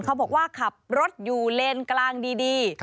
เขาบอกว่าขับรถอยู่เลนกลางดี